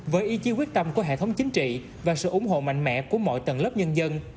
với ý chí quyết tâm của hệ thống chính trị và sự ủng hộ mạnh mẽ của mọi tầng lớp nhân dân